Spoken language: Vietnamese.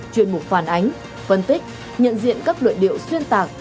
chuyên mục phản ánh phân tích nhận diện các luận điệu xuyên tạc